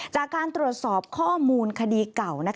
จากการตรวจสอบข้อมูลคดีเก่า